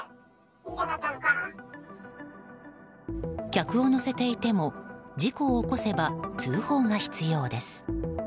客を乗せていても事故を起こせば通報が必要です。